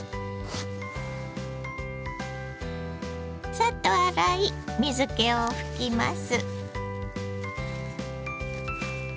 サッと洗い水けを拭きます。